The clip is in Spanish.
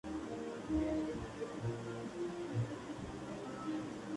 Su hermano es el actor Rupert Penry-Jones.